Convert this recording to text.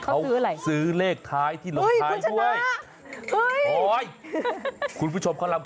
เขาซื้อเลขถ่ายที่เขาลง